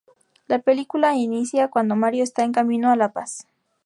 La película inicia cuando Mario está en camino a La Paz.